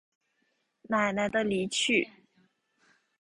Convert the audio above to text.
奶奶的离去